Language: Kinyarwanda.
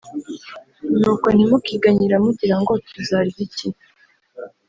Nuko ntimukiganyire mugira ngo “Tuzarya iki